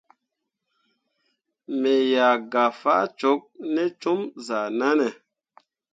Me ah gah faa cok ne com zahʼnanne.